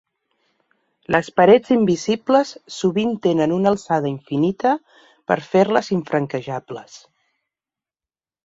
Les parets invisibles sovint tenen una alçada infinita per fer-les infranquejables.